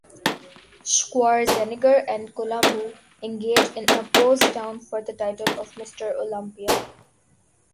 Schwarzenegger and Columbu engage in a posedown for the title of Mr. Olympia.